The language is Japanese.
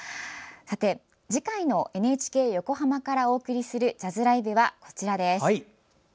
次回のＮＨＫ横浜からお送りするジャズライブは、こちらです。